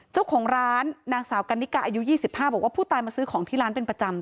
เจ้าของร้านนางสาวกันนิกาอายุ๒๕บอกว่าผู้ตายมาซื้อของที่ร้านเป็นประจำ